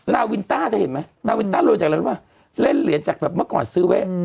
นาวินต้าจะเห็นไหมนาวินต้ารวยจากอะไรรู้ป่ะเล่นเหรียญจากแบบเมื่อก่อนซื้อไว้